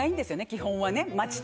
基本はね。